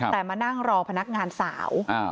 แต่มานั่งรอพนักงานสาว